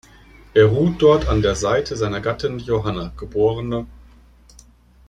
Er ruht dort an der Seite seiner Gattin Johanna geb.